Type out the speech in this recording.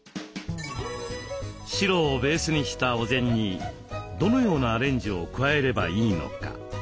白をベースにしたお膳にどのようなアレンジを加えればいいのか？